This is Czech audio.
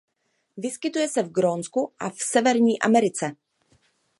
Vyskytuje se i v Grónsku a v Severní Americe.